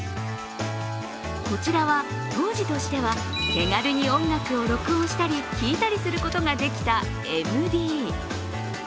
こちらは当時としては手軽に音楽を録音したり聞いたりすることができたＭＤ。